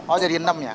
oh jadi enam ya